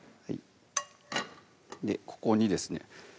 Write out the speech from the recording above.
ここにですね